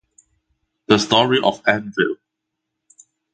The Story of Anvil.